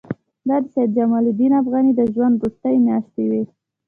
دا د سید جمال الدین افغاني د ژوند وروستۍ میاشتې وې.